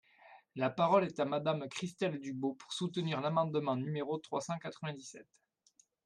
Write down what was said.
La parole est à Madame Christelle Dubos, pour soutenir l’amendement numéro trois cent quatre-vingt-dix-sept.